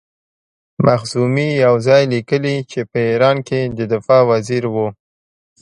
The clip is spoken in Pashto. مخزومي یو ځای لیکي چې په ایران کې د دفاع وزیر وو.